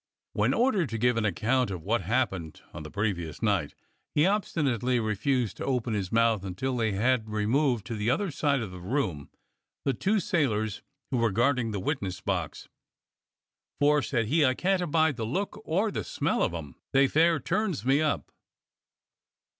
When ordered to give an account of what had hap pened on the previous night, he obstinately refused to open his mouth until they had removed to the other side of the room the two sailors who were guarding the witness box. "For," said he, "I can't abide the look or the smell of 'em; they fair turns me up."